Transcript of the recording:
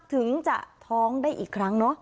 ถึงจะท้องได้อีกครั้งเนอะ